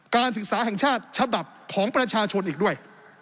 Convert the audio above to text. การศึกษาแห่งชาติฉบับของประชาชนอีกด้วย